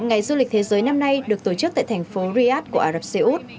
ngày du lịch thế giới năm nay được tổ chức tại thành phố riyadh của ả rập xê út